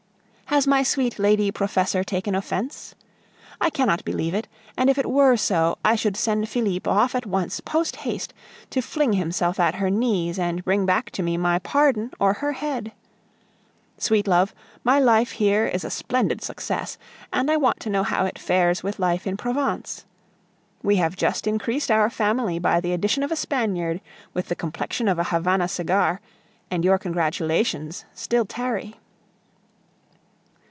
Has my sweet lady professor taken offence? I cannot believe it; and if it were so, I should send Felipe off at once, post haste, to fling himself at her knees and bring back to me my pardon or her head. Sweet love, my life here is a splendid success, and I want to know how it fares with life in Provence. We have just increased our family by the addition of a Spaniard with the complexion of a Havana cigar, and your congratulations still tarry.